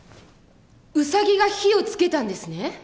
ウサギが火をつけたんですね？